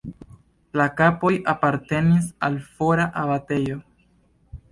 La kampoj apartenis al fora abatejo.